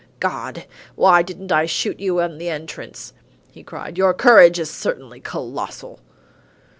"God! why didn't I shoot you on entrance!" he cried. "Your courage is certainly colossal."